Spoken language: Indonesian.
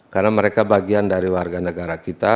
karena mereka bagian dari warga negara kita